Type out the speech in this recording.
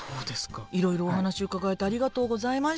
いろいろお話伺えてありがとうございました。